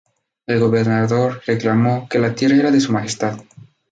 El gobernador reclamó que la tierra era de su Majestad.